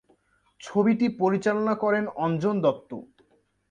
ছবিটি পরিচালনা করেন অঞ্জন দত্ত।